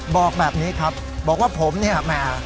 บอกแบบนี้ครับบอกว่าผมเนี่ยแหม